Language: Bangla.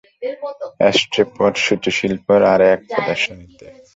অ্যাশট্রে, পট, সূচিশিল্প এর এক প্রদর্শনীতে।